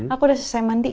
aku udah selesai mandi